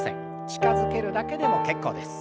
近づけるだけでも結構です。